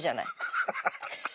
ハハハハッ！